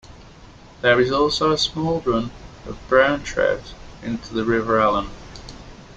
There is also a small run of brown trout into the River Allen.